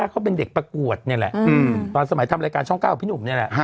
เขาเป็นเด็กประกวดตอนสมัยทำรายการช่องเก้ากับพี่หนุ่ม